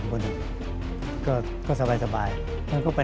อเจมส์วิธีพลังภาคบริษัทราชาวิทยาลัยบริธีพลังภาค